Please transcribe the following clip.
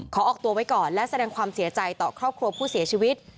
ขอออกตัวไว้ก่อนและแสดงความเสียใจต่อครอบครัวผู้เสียชีวิต